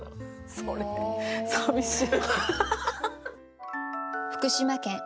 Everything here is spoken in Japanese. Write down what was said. それ寂しい。